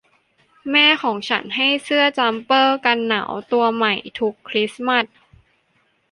แม่ของฉันให้เสื้อจัมเปอร์กันหนาวตัวใหม่ทุกคริสต์มาส